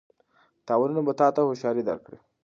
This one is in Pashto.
تاوانونه به تا ته هوښیاري درکړي.